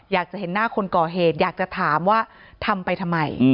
อยากจะเห็นหน้าคนก่อเหตุอยากจะถามว่าทำไปทำไม